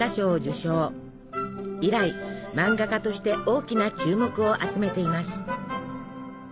以来漫画家として大きな注目を集めています。